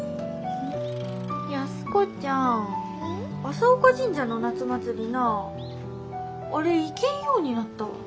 朝丘神社の夏祭りなああれ行けんようになったわ。